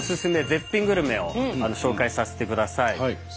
絶品グルメを紹介させてください。